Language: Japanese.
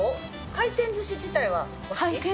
回転ずし自体はお好き？